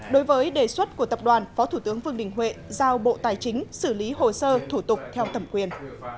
đối với đề xuất của tập đoàn phó thủ tướng vương đình huệ giao bộ tài chính xử lý hồ sơ thủ tục theo thẩm quyền